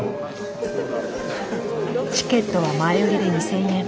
チケットは前売りで２，０００円。